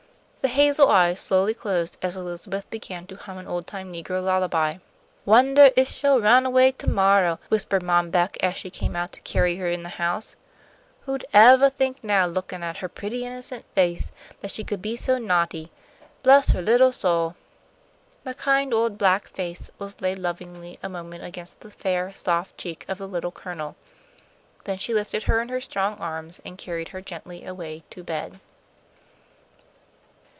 The hazel eyes slowly closed as Elizabeth began to hum an old time negro lullaby. "Wondah if she'll run away to morrow," whispered Mom Beck, as she came out to carry her in the house. "Who'd evah think now, lookin' at her pretty, innocent face, that she could be so naughty? Bless her little soul!" The kind old black face was laid lovingly a moment against the fair, soft cheek of the Little Colonel. Then she lifted her in her strong arms, and carried her gently away to bed.